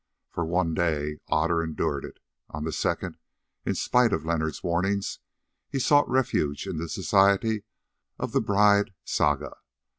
For one day Otter endured it; on the second, in spite of Leonard's warnings, he sought refuge in the society of the bride Saga.